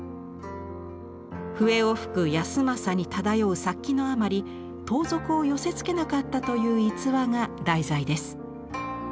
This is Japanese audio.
笛を吹く保昌に漂う殺気のあまり盗賊を寄せつけなかったという逸話が題材です。